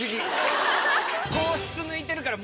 糖質抜いてるから。